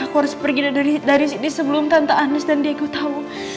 aku harus pergi dari sini sebelum tante andis dan diego tau